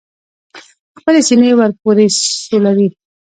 خپلې سینې ور پورې سولوي.